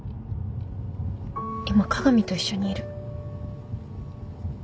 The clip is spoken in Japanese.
今加賀美と一緒にいる。